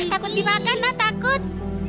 ih takut dimakan nak takut